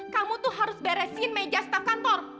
kamu tuh harus beresin meja staf kantor